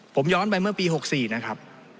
ผมย้อนไปเมื่อปี๖๔นะครับ